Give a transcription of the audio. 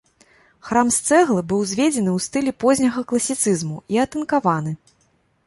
Храм з цэглы быў узведзены ў стылі позняга класіцызму і атынкаваны.